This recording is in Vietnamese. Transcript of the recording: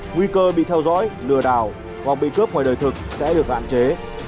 nguy cơ bị theo dõi lừa đảo hoặc bị cướp ngoài đời thực sẽ được hạn chế